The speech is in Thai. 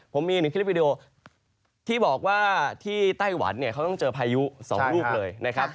ผมมี๑คลิปวิดีโอที่บอกว่าที่ไต้หวันเขาต้องเจอพายุ๒ลูกเลย